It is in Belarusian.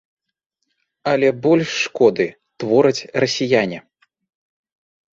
Але больш шкоды твораць расіяне.